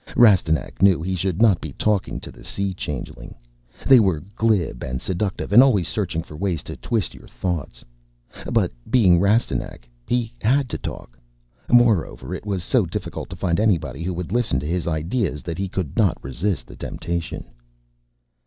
Rastignac knew he should not be talking to a Sea changeling. They were glib and seductive and always searching for ways to twist your thoughts. But being Rastignac, he had to talk. Moreover, it was so difficult to find anybody who would listen to his ideas that he could not resist the temptation.